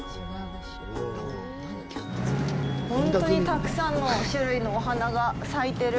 本当にたくさんの種類のお花が咲いてる。